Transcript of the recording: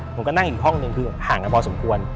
ผมก็นั่งอยู่ห้องหนึ่งคือห่างครับเบาะสมควร